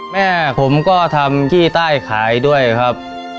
แม่ผมก็ทำขี้ใต้ขายด้วยครับ